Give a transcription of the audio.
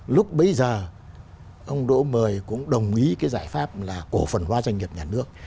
lúc bấy giờ ông đỗ mời cũng đồng ý cái giải pháp là cổ phần hóa doanh nghiệp nhà nước